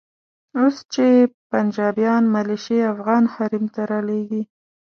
اوس چې پنجابیان ملیشې افغان حریم ته رالېږي.